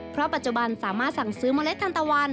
เพราะปัจจุบันสามารถสั่งซื้อเมล็ดทันตะวัน